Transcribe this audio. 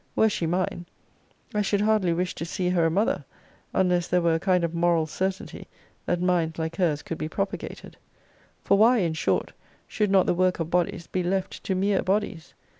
Were she mine, I should hardly wish to see her a mother, unless there were a kind of moral certainty, that minds like hers could be propagated. For why, in short, should not the work of bodies be left to mere bodies?